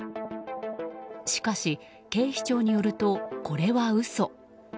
しかし、警視庁によるとこれは嘘。